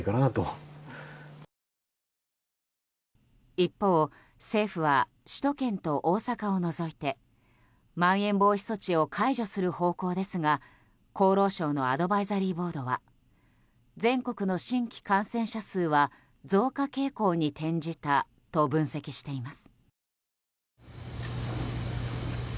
一方、政府は首都圏と大阪を除いてまん延防止措置を解除する方向ですが厚労省のアドバイザリーボードは全国の新規感染者数は増加傾向に転じたと分析しています。